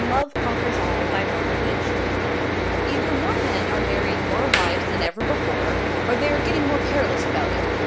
XXI NOTING AN INCREASE IN BIGAMY Either more men are marrying more wives than ever before, or they are getting more careless about it.